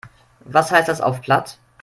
Was heißt das auf Platt?